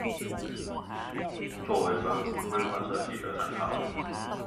作為規劃設計的參考